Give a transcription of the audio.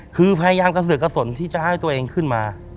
คือพยายามกระเสือกกระสนที่จะให้ตัวเองขึ้นมา